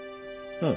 うん。